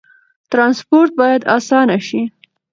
ترانسپورت باید اسانه شي.